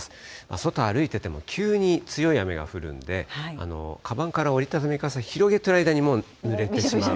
外歩いてても、急に強い雨が降るんで、かばんから折り畳み傘、広げてる間に、ぬれてしまう。